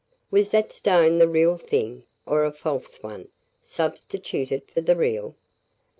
Was that stone the real thing, or a false one, substituted for the real?